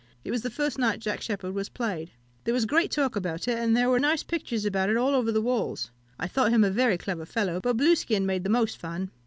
It was the first night Jack Sheppard was played. There was great talk about it, and there were nice pictures about it all over the walls. I thought him a very clever fellow; but Blueskin made the most fun.